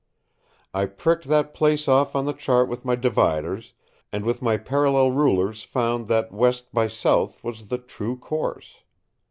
I pricked that place off on the chart with my dividers, and with my parallel rulers found that west by south was the true course.